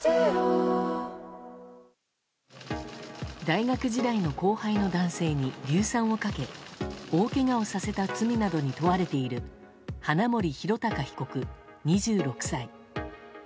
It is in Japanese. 大学時代の後輩の男性に硫酸をかけ大けがをさせた罪などに問われている花森弘卓被告、２６歳。